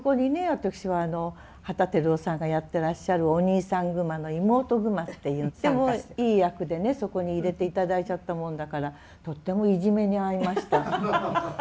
私は旗照夫さんがやってらっしゃるお兄さんグマの妹グマっていうとってもいい役でねそこに入れて頂いちゃったもんだからとってもいじめに遭いました。